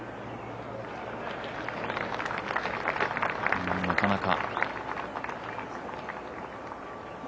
うん、なかなか。